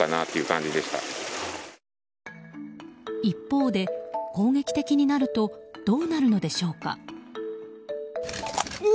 一方で、攻撃的になるとどうなるのでしょうか。